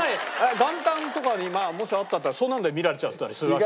元旦とかにもしあったらそんなので見られちゃったりするわけ？